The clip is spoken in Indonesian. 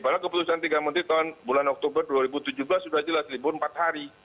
padahal keputusan tiga menteri tahun bulan oktober dua ribu tujuh belas sudah jelas libur empat hari